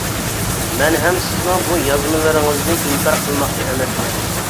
مەن ھەم سىزنىڭ بۇ يازمىلىرىڭىزنى ئىنكار قىلماقچى ئەمەسمەن.